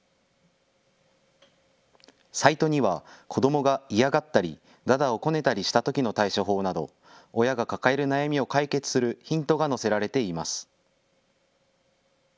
サイトには子どもが嫌がったりだだをこねたりしたときの対処法など親が抱える悩みを解決するヒントが載せられています。